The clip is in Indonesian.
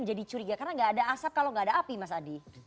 menjadi curiga karena gak ada asap kalau gak ada api mas adi